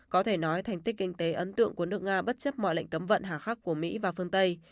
có thể nói thành tích kinh tế ấn tượng của nước nga bất chấp mọi lệnh cấm vận hà khắc của mỹ và phương tây